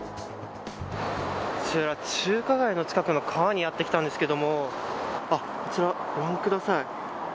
こちら中華街の近くの川にやって来たんですけれどもこちら、ご覧ください。